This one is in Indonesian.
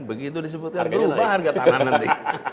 begitu disebutkan berupa harga tanah nanti